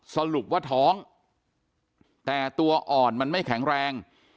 สรุปว่าท้องแต่ตัวอ่อนมันไม่แข็งแรง